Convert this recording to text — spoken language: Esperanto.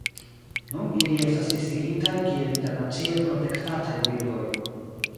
Nun ili estas listigitaj kiel internacie protektataj birdoj.